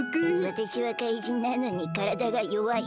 わたしは怪人なのにからだがよわい！